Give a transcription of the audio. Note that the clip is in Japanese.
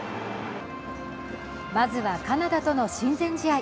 まずはカナダとの親善試合。